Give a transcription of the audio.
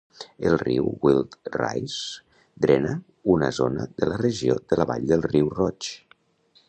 El riu Wild Rice drena una zona de la regió de la vall del riu Roig.